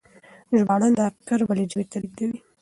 ژباړن دا فکر بلې ژبې ته لېږدوي.